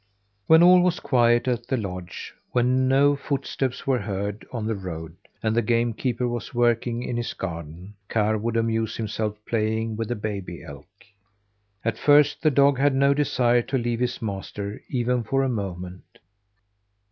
When all was quiet at the lodge, when no footsteps were heard on the road, and the game keeper was working in his garden, Karr would amuse himself playing with the baby elk. At first the dog had no desire to leave his master even for a moment.